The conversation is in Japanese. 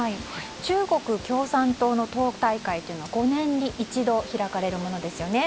中国共産党の党大会は５年に一度開かれるものですよね。